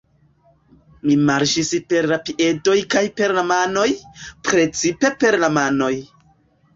Mi marŝis per la piedoj kaj per la manoj, precipe per la manoj.